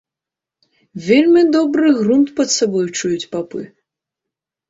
Вельмі добры грунт пад сабой чуюць папы.